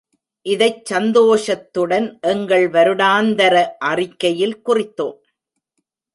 இதைச் சந்தோஷத்துடன் எங்கள் வருடாந்தர அறிக்கையில் குறித்தோம்.